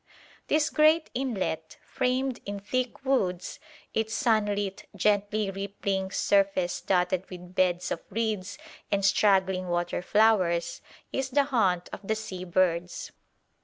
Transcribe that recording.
This great inlet, framed in thick woods, its sunlit, gently rippling surface dotted with beds of reeds and straggling water flowers, is the haunt of the sea birds.